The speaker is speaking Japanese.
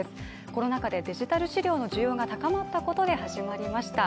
コロナ禍でデジタル資料の需要が高まったことで始まりました。